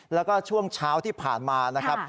แล้วก็ช่วงเช้าที่ผ่านมานะครับ